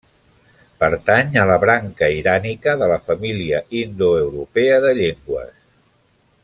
Pertany a la branca irànica de la família indoeuropea de llengües.